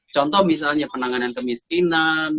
contoh misalnya penanganan kemiskinan